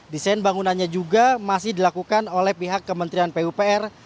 desain bangunannya juga masih dilakukan oleh pihak kementerian pupr